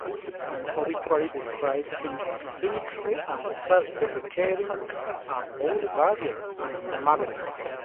An obituary describes him as cynical and self-deprecating, a "boulevardier" and a maverick.